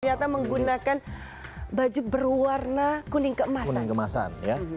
ternyata menggunakan baju berwarna kuning keemasan